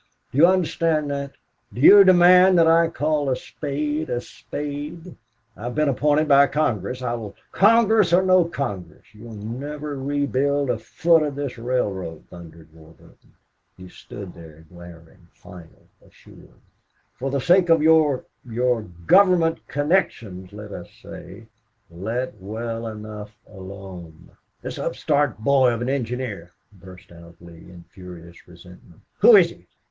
Do you understand that? Do you demand that I call a spade a spade?" "I have been appointed by Congress. I will " "Congress or no Congress, you will never rebuild a foot of this railroad," thundered Warburton. He stood there glaring, final, assured. "For the sake of your your government connections, let us say let well enough alone." "This upstart boy of an engineer!" burst out Lee, in furious resentment. "Who is he?